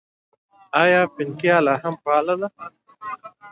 آیا فینکا لا هم فعاله ده؟